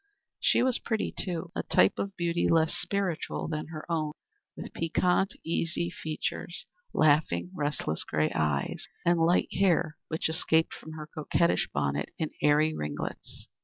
She was pretty, too a type of beauty less spiritual than her own with piquant, eager features, laughing, restless gray eyes, and light hair which escaped from her coquettish bonnet in airy ringlets.